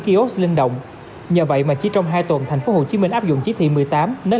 kiosk linh động nhờ vậy mà chỉ trong hai tuần thành phố hồ chí minh áp dụng chí thị một mươi tám nếu